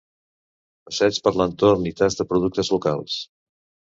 Passeig per l'entorn i tast de productes locals.